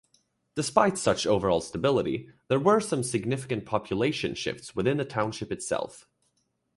Despite such overall stability, there were some significant population shifts within the township itself.